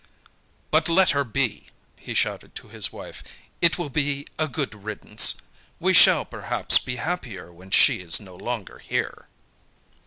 "But, let her be!" he shouted to his wife. "It will be a good riddance. We shall, perhaps, be happier when she is no longer here."